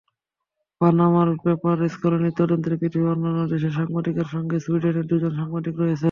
Panama paper কেলেঙ্কারি তদন্তে পৃথিবীর অন্যান্য দেশের সাংবাদিকদের সঙ্গে সুইডেনেরও দুজন সাংবাদিক রয়েছেন।